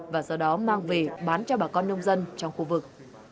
và sau đó mang về bán cho bà con nông dân trong khu vực